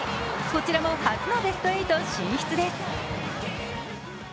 こちらも初のベスト８進出です。